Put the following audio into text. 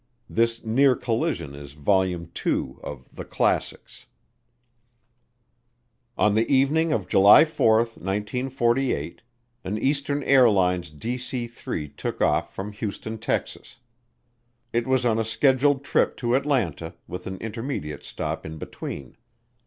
This near collision is Volume II of "The Classics." On the evening of July 24, 1948, an Eastern Airlines DC 3 took off from Houston, Texas. It was on a scheduled trip to Atlanta, with intermediate stops in between.